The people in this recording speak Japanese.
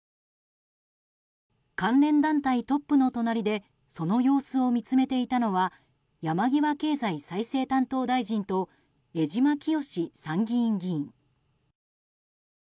関連団体トップの隣でその様子を見つめていたのは山際経済再生担当大臣と江島潔参議院議員。